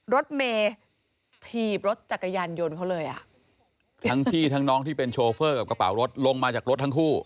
รถเมย์ถีบรถจักรยานยนต์เขาเลยอ่ะทั้งพี่ทั้งน้องที่เป็นโชเฟอร์กับกระเป๋ารถลงมาจากรถทั้งคู่